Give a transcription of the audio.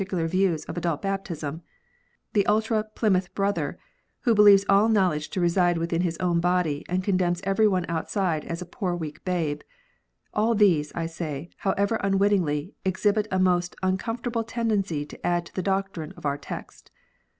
his peculiar views of adult baptism, the ultra Plymouth Brother, who believes all knowledge to reside with his own body, and condemns every one outside as a poor w r eak babe ; all these, I say, however unwittingly, exhibit a most uncom fortable tendency to add to the doctrine of our text.